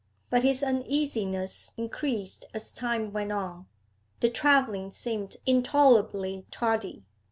But his uneasiness increased as time went on; the travelling seemed intolerably tardy.